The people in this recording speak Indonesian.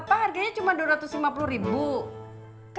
kata bapak harganya cuma dua ratus lima puluh ribu